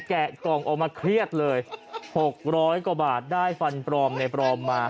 แกะกล่องออกมาเครียดเลย๖๐๐กว่าบาทได้ฟันปลอมในปลอมมา